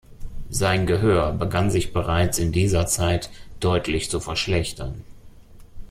Sein Gehör begann sich bereits in dieser Zeit deutlich zu verschlechtern.